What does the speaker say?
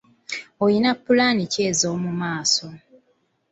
Olina pulaani ki ez’omu maaso?